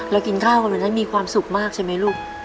แล้วกินข้าวก็มีความสุขมากใช่มั้ยลูก